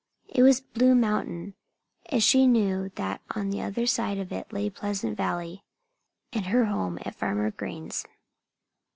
It was Blue Mountain. And she knew that on the other side of it lay Pleasant Valley and her home at Farmer Green's.